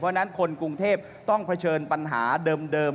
เพราะฉะนั้นคนกรุงเทพต้องเผชิญปัญหาเดิม